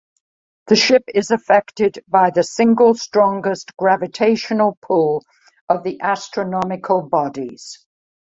The ship is affected by the single strongest gravitational pull of the astronomical bodies.